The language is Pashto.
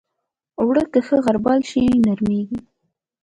اوړه که ښه غربال شي، نرمېږي